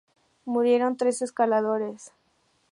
Murieron tres escaladores.